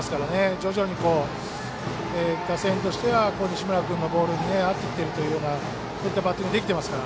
徐々に打線としては西村君のボールに合ってきているというようなバッティングできていますから。